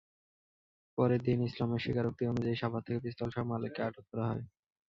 পরে দীন ইসলামের স্বীকারোক্তি অনুযায়ী সাভার থেকে পিস্তলসহ মালেককে আটক করা হয়।